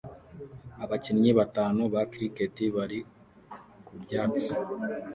Abakinnyi batanu ba Cricket bari ku byatsi